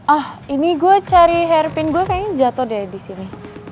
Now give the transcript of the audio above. ah ini gue cari hairpin gue kayaknya jatoh deh disini